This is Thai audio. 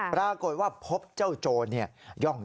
ปรากฏว่าพบเจ้าโจรเนี่ย